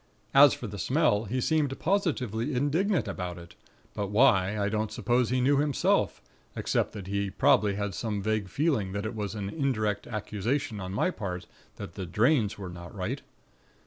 As for the smell, he seemed positively indignant about it; but why, I don't suppose he knew himself, except that he probably had some vague feeling that it was an indirect accusation on my part that the drains were not right.